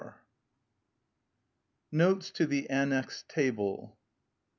Notes to the Annexed Table.